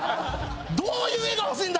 どういう画が欲しいんだ？